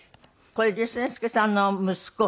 これ善之介さんの息子。